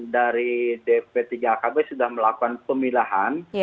dari dp tiga akb sudah melakukan pemilahan